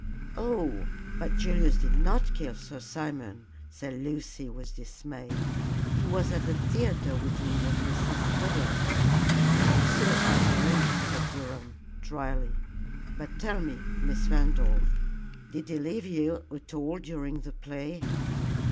"Oh, but Julius did not kill Sir Simon," said Lucy, with dismay. "He was at the theatre with me and Mrs. Webber." "So I believe," said Durham, dryly; "but tell me, Miss Randolph, did he leave you at all during the play?"